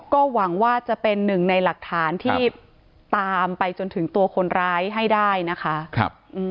ก็หวังว่าจะเป็นหนึ่งในหลักฐานที่ตามไปจนถึงตัวคนร้ายให้ได้นะคะ